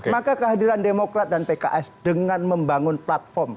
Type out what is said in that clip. maka kehadiran demokrat dan pks dengan membangun platform